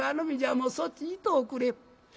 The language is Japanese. もうそっち行っとおくれ」。